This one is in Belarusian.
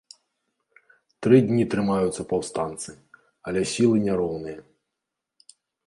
Тры дні трымаюцца паўстанцы, але сілы няроўныя.